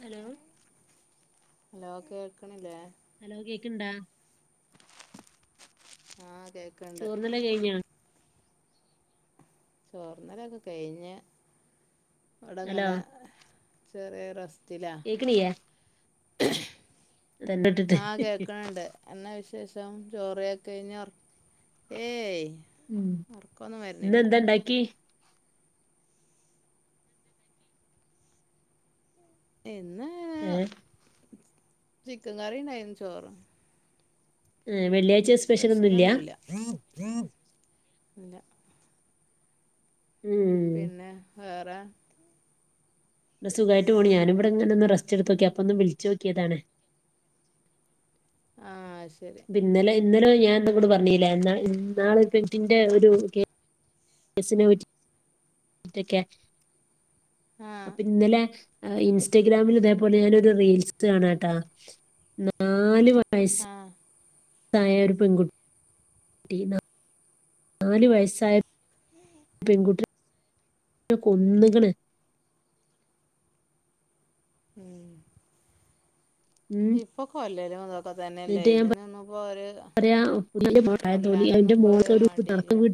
Hello? Hello കേൾക്ക്ണില്ലേ? Hello കേക്ക്ണ്ടാ? ആഹാ കേക്ക്ൻണ്ട്. ല്ലാം കഴിഞ്ഞോ? ചോറ്ന്നലൊക്കെ കഴിഞ്ഞ് ഹലോ വടെങ്ങനെ ചെറിയ റസ്റ്റിലാ [unintelligible] തന്നെ ഇട്ടിട്ട് ആ കേക്കണ് ണ്ട് എന്നാ വിശേഷം? ചോറയ്ക്കെ കഴിഞ്ഞോ? ഏയ് ഓറ്ക്കൊന്നും വര്നില്ല. ന്തെണ്ടാക്കി? ഇന്ന് ഏഹ് ചിക്കൻ കറിണ്ടായിന് ചോറ് ഉം. വെള്ളിയാഴ് സ്പെഷ്യലൊന്നുല്ല. ഇല്ല. പിന്നെ വേറെ?. സുഖായിട്ട് പോണ്. ഞാനും വടെങ്ങനെഒന്ന് റസ്റ്റ്ട്തൊക്യാ. അപ്പോ ഒന്ന് വിളിച്ച് നോക്കിയതാണ്. ആഹാ ശ് പിന്നലെ ഇന്നലെ ഞാൻ ന്ന്ന്നോട് പറഞ്ഞില്ലേന്നാളെ [unintelligible] [unintelligible] ആഹ് അപ്പൊ ഇന്നലെ ആഹാ ഇൻസ്റ്റാഗ്രാമില് തേപോലെ ഞാനൊരു റീൽസ് കാണാട്ടാ നാല് വയസ് ആഹ സായ ഒരു പെൺകുട്ടിന നാല് വയസ്സായ പെൺകുട്ടിനെ കൊന്ന്ക്കണ്. ഉൂം ഉം ഇപ്പൊ കൊല്ലലു അതൊക്കെ തന്നെല്ലേ? ഇതിനൊന്നും പ്പോ ഒര് [unintelligible] ണ്ടായതാണടൊ ഒരു മടിയില്ല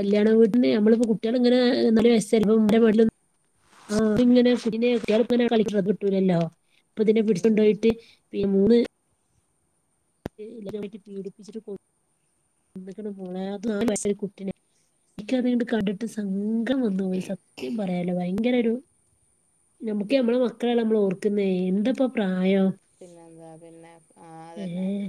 കല്ല്യാണ വീട്ടിന്ന് ഞ മ്മള് പ്പോ കുട്ടിയാല് നാല് വയസ്സ്ള്ളൂ ൻ്റെ മടില് ആ തിങ്ങനെ പിന്നെ കുട്ടിയാല്ങ്ങനെ കളിക്കണത് കിട്ടൂലല്ലോ അപ്പൊ അതിനെ പിടിച്ചോണ്ട് ഉം പോയിട്ട് പ്പിന്ന്- ബലായിട്ട് പിഡിപ്പിച്ച് കൊ ന്നക്ണ് മോളെ നാല് വയസ്സായകുട്ടിനെ. ക്ക്യത്ണ്ട് കണ്ട്ട്ട് സങ്കം വന്നു പോയി. സത്യം പറയാലോ ഭയങ്കരരു നമ്മുക്ക് നമ്മളെ മക്കളാണ് നമ്മള് ഓർക്കുന്നേ എന്താപ്പം പ്രായം പിന്നെന്താ പിന്നെ? ആഹ അതന്നെ ഏഹ്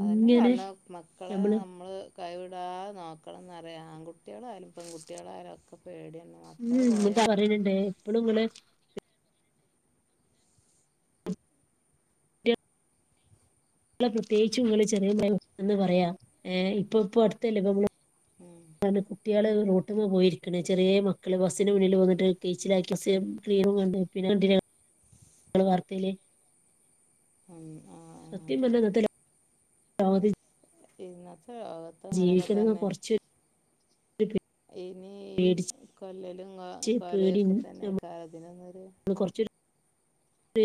അതന്നെ പറഞ്ഞു മക്കളെ ഞമ്മള് നമ്മള് കൈവിടാതെ നോക്കണം ന്നറിയാ ആൺകുട്ടികളായാലും പെൺകുട്ടികളായാലുംലൊക്കെ ഒക്കെ പേടിയാണ് മക്കള് പോയാ തില്ണ്ടേ? [unintelligible] [unintelligible] ഉം കുട്ടികൾ റൊട്ട്മ്മ പോയിരിക്കണെ ചെറിയ മക്കള് ബസ്സിന് മുന്നിൽ വന്നിട്ട് കയ്ച്ചിലാക്കിട്ട്ക്ലീനും കണ്ട് പിന്നെണ്ടനാ നിങ്ങൾ വാർത്തൽ സത്യം പറഞ്ഞ ഇങ്ങത്ത ലോകത് ജി ഇന്നത്തെ ലോകത്ത് ഇങ്ങനെയൊക്കെ ജീവിക്കണന്ന് തന്നെ. കൊറച്ചൊരു ഇനി പേടിച്ച് ഈ കൊല്ലലും കൊലയൊക്കെ തന്നെ കാരം ഇതിനൊരു കുറച്ച് ഒരു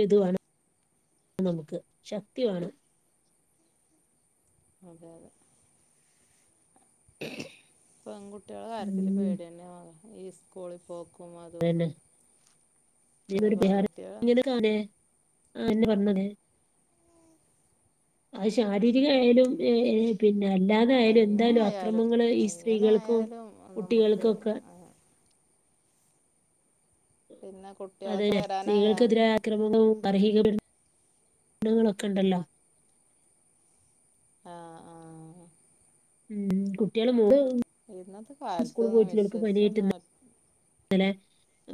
ഇതുവാണം നമുക്ക് ശക്തി വാണം. അതെ അതെ പെൺകുട്ടികള് കാര്യത്തില് ഉം പേടി തന്നെയാ ഈ സ്കൂളിൽ പോ ക്കും അതും ഇതും പിന്നെ പെൺകുട്ടികളെ [unintelligible] ആ എന്നെ പറഞ്ഞതെ അത് ശാരീരികമയാലും പിന്നെ അല്ലാ അതായാലും എങ്ങനെ എന്തായാലും ആയാലും അക്രമങ്ങൾ ഈ എങ്ങനെ സ്ത്രീകൾക്കും ആയാലും നമുക്ക് കുട്ടികൾക്കും ഒക്കെ പിന്നെ അതെ കുട്ടികൾക്കെ വരാനായാ സ്ത്രീകൾക്കെതിരായ അക്രമങ്ങളും കാർഷികപീഡനങ്ങളും ങ്ങളൊക്കെ ഉണ്ടല്ലോ ആഹ ആ ഉം കുട്ടികള് മു ഇന്നത്തെ കാലത്ത്ന്ന് വിശ്വസിചെന്നും ആരെ ഇന്നലെ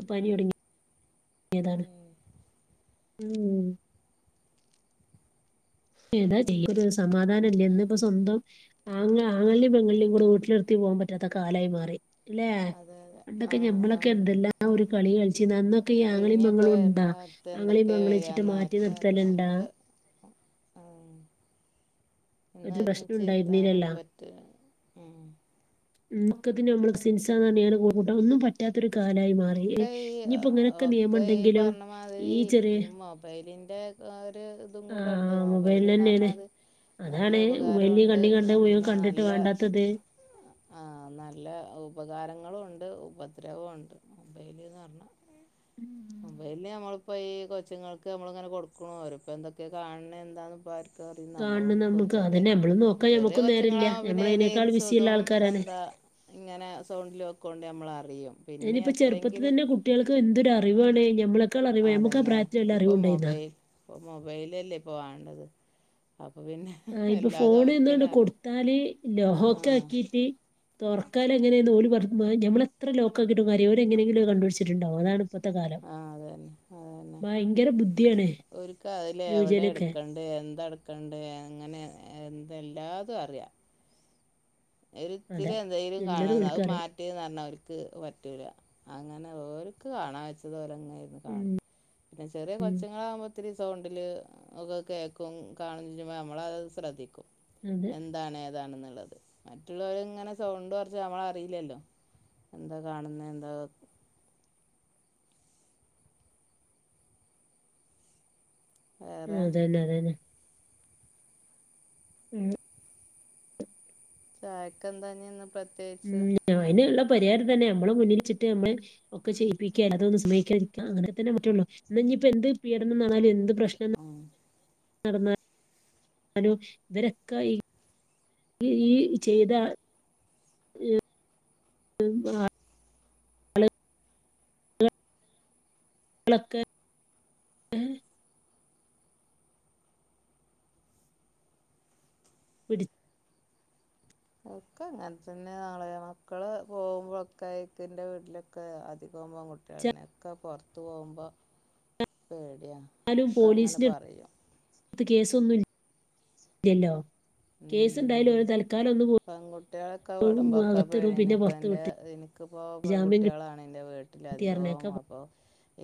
പനിതോടങ്ങിതാണ് ഉം ഉം എന്താ ചെയ ഒരു സമാധാനംല്ലേ ഇന്ന് ഇപ്പ സ്വന്തം ആങ്ങെ അങ്ങളേനിം പെങ്ങള്ളിനിം കൂടെ വീട്ടിൽ നി ർത്തി പോവാൻ പറ്റാത്ത കാലായി മാറി ല്ലെ അതെ അതെ പണ്ടൊക്കെ ആഹ് ആഹ് ഞമ്മളൊക്കെ ഉം എന്തല്ലാം ഒരു കളി കളിചിന്നു അനന്നൊക്കെ ഈ അങ്ങലിം ഇനിയൊക്കെ പെങ്ങളും വരുന്ന ഇണ്ടാ കാലത്ത് അങ്ങളീം എന്തൊക്കെയാ പെങ്ങളീച്ചിട്ട് മാറ്റി നിർത്തലുണ്ടാ ആ ഇന്ന് ഒരു പ്രശ്നം ഒരുമിച്ച് ഉണ്ടായിരുന്നില്ലല്ലോ ഇരുത്താനൊന്നും പറ്റ റ്റൂല അ ഉ മുക്കത്തിന് നമ്മ സെൻസ [unintelligible] ക്കൂട്ട ഒന്നുംപറ്റു പറ്റാത്തൊരു കാലായി മാറി ഒക്കെ ഈ ഇനിയിപ്പോ ഇങ്ങനെയൊക്കെ നിയമം ഒക്കെ ഈ ഉണ്ടെങ്കിലും പറഞ്ഞ മാതിരി ഈ ചെറിയ മൊബൈലിൻ്റെ ഒരു ഇതും ആ കൂടെ ഉണ്ട് മൊബൈല്ന്ന് മൊബൈലിലെന്നേണ് പറഞ്ഞാൽ നല്ല അതാണ് മൊബൈലില് ഉപകാരണ്ട് കണ്ണി കണ്ട മുഴുവൻ യെന്നാ കണ്ടിട്ട് നല്ല വേണ്ടാത്തത് ആഹ നല്ല ഉപകാരങ്ങളും ഉണ്ട് ഉപദ്രവം ഉണ്ട് മൊബൈല്ന്ന് പറാൽ മൊബൈൽ പിന്നെ നമ്മളിപ്പോൾ ഈ കൊച്ചുങ്ങൾക്ക് നമ്മളിങ്ങനെ കൊടുക്കുന്നു അവർ ഇപ്പോ എന്തൊക്കെ കാണണ് എന്താന്ന്പ്പ ആര് കറിയും നമ്മൾ കാണണം നമുക്ക് ചെറിയ അതന്നെ നമ്മള് നോക്കാൻ ചെറിയ ഞമ്മക്കും നേരല്ല കൊച്ചുങ്ങളാവുമ്പോ പിന്നെ ഞമ്മള് അയിനേക്കാൾ റീയിൽസും ബിസിയുള്ള ഇതും ആൾക്കാരാണ് എന്താ ഇങ്ങനെ സൗണ്ടിൽ വക്കോണ്ട് നമ്മള അറിയും പിന്നെ ഇനിപ്പ ചെറുപ്പത്ത് എത്രയെങ്കിലും ന്നെ കുട്ടികൾക് എന്ധോരു അറിവാണ് നമ്മളെക്കാൾ അറിവാ നമ്മുക്ക പ്രായത്തില് വല്ല അറിവുണ്ടായിന്നാ ഇപ്പ മൊബൈലല്ലേ ഇപ്പൊ വേണ്ടത് അപ്പൊ പിന്നെ ആ ഇപ്പൊ എല്ലാതും ഫോൺ എന്ന്ണ്ട് അവർക്കന്നെ അറിയും കൊടുത്താല് ആ ലോഹൊക്കെ ആക്കീട്ട് തുറക്കാല് എങ്ങനെയ ഓല് പറ നമ്മളെത്ര ലോക്ക കിട്ടും കാര്യോല്ല ഓർ എങ്ങനെങ്കിലും കണ്ടുപിച്ചിട്ടുണ്ടവും അതാണ് ഇപ്പത്തെ കാലം. ആഹ അത തന്നെ അത തന്നെ ഭയങ്കര ബുദ്ധിയാണ് ഓല്ക് അതിൽ എവിടെ ന്യൂജനൊക്കെ എടുക്കണ്ട ണ്ട് എന്തെടുക്കണ്ട് അങ്ങനെ എന്തെല്ലാതും അറിയാം അതെ ഒരിചിരി എന്തെലും കാണ എല്ലതും അത് മാ ഓൽക്കറിയാം റ്റ് പറഞ്ഞാൽ ഓല്ക്ക് പറ്റൂല അങ്ങനെ ഓല്ക്ക് കാണാൻ വെച്ചത് ഓല് അങ്ങനെ നെ ഇരുന്ന് കാണും ഉം പിന്നെ ചെറിയ കൊച്ചങ്ങളകുമ്പോ ഒത്തിരി സൗണ്ടിൽ ഒക്കെ കേൾക്കും കാണുചെയ്യുമ്പോ നമ്മളത്ത് ശ്രദ്ധിക്കും അതെ എന്താണ് ഏതാണെന്നുള്ളത് മറ്റുള്ളവർ ഇങ്ങനെ സൗണ്ട് കുച്ച്നമ്മളറിയില്ലല്ലോ എന്താ കാണുന്നത് എന്താ വേറെ ഉംഅതന്നെ അതന്നെ ഉം ചായക്ക ന്തയിഞ്ഞ് പ്രത്യേകിച്ച് അതിനുള്ള പരിഹാരം തന്നെ നമ്മള് മുന്നിൽിച്ചിട്ട് നമ്മള് ഒക്കെ ചെയ്യിപ്പിക്കാ അതൊന്ന് സമഹക്കാരിക്കാം അങ്ങനെന്നെറ്റുള്ളൂ ഇ ഇപ്പ എന്ത് പീഡനംാണാലും എന്ത് പ്രശ്നം ആ നടന്നാലും ഇവരൊക്കെ ഈ ഈ ഈ ചെയ്ത [unintelligible] [inaudible] ഉം ആ [unintelligible] പിടി ഒക്കെ അങ്ങനെ തന്നെ മളെ മക്കള് പോകുമ്പോഴൊക്കെക്കിൻ്റെ വീട്ടിലൊക്കെ അധികംകുമ്പോം കട്ടും ണ്ണൊക്കെ പുറത്ത് പോവുമ്പോ പേടിയാ എന്നാലും ഒക്കെ അങ്ങനെ പറയും പോലീസിന്റെത്ത് കേസൊന്നു ഇൽയല്ലോ കേസ് ഉണ്ടായാലും ഉം ഓല് തൽക്കാലം ഒന്ന് പൊ പെൺകുട്ടികളൊക്കെ വിെടുമ്പോഴൊക്കെ പഴിനി പിന്നെ ഇപ്പോൾ പുറത്ത് എൻ്റെ വിട്ട് എനിക്കിപ്പോൾ ജാമ്യം പെൺകുട്ടിളാണ് എൻ്റെ വീട് കിട്ടി നട്ടിലധികം പറഞ്ഞേക്കാ അപ്പ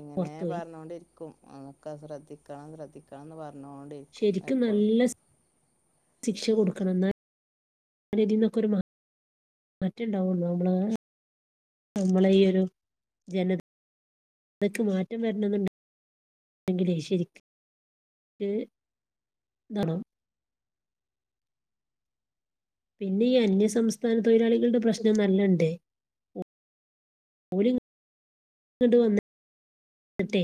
ഇങ്ങനെ പുറത്ത് പോയി പറഞ്ഞൊണ്ടിരിക്ക ും അതൊക്കെ ശ്രദ്ധിക്കണം ശ്രദ്ധിക്കണംന്ന് പറഞ്ഞോണ്ടിരി ശരിക്കും നല്ല സ് ശിക്ഷ കൊടുക്കണം ന്നാല് തിന്നൊക്കെരുമാ മറ്റുണ്ടാവള്ളു നമ്മളെ ഈ ഒരു ജന അതൊക്കെ മാറ്റം വരണെന്നുണ്ടെങ്കേ ശരിക്ക് ഉം ഇതാണോ പിന്നെ ഈ അന്യസംസ്ഥാന തൊഴിലാളികളുടെ പ്രശ്നം നല്ലണ്ടേ ഓല് ഇങ്ങട്ട് വന്ന് ന്നിട്ടെ